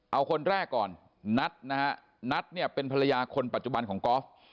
เอาคนแรกก่อนนัทนะฮะนัทเนี่ยเป็นภรรยาคนปัจจุบันของกอล์ฟ